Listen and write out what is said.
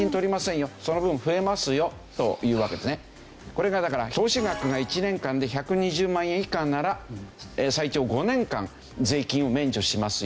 これがだから投資額が１年間で１２０万円以下なら最長５年間税金を免除しますよ。